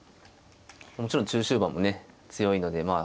もちろん中終盤もね強いのでまあ